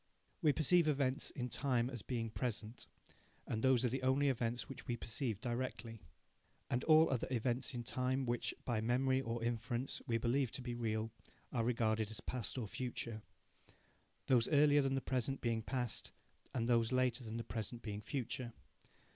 We perceive events in time as being present, and those are the only events which we perceive directly. And all other events in time which, by memory or inference, we believe to be real, are regarded as past or future those earlier than the present being past, and those later than the present being future.